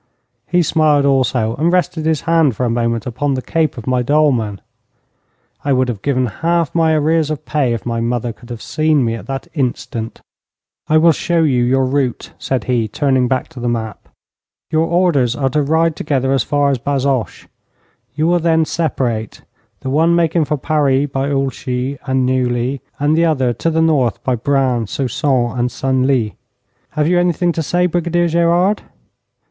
He smiled also, and rested his hand for a moment upon the cape of my dolman. I would have given half my arrears of pay if my mother could have seen me at that instant. 'I will show you your route,' said he, turning back to the map. 'Your orders are to ride together as far as Bazoches. You will then separate, the one making for Paris by Oulchy and Neuilly, and the other to the north by Braine, Soissons, and Senlis. Have you anything to say, Brigadier Gerard?'